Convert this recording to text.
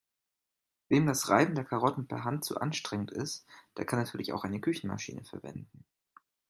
Wem das Reiben der Karotten per Hand zu anstrengend ist, der kann natürlich auch eine Küchenmaschine verwenden.